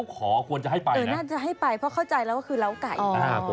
ไปโกรธคุณผู้ชายเวลาเขาขอไปเลานะคือไปเลาไก่